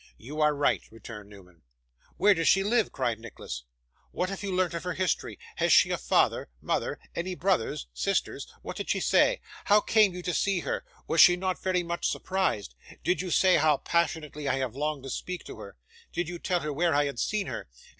'You are right,' returned Newman. 'Where does she live?' cried Nicholas. 'What have you learnt of her history? Has she a father mother any brothers sisters? What did she say? How came you to see her? Was she not very much surprised? Did you say how passionately I have longed to speak to her? Did you tell her where I had seen her?